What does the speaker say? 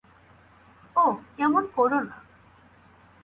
ওহ, এমন করো না।